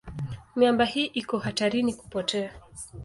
Miamba hii iko hatarini kupotea.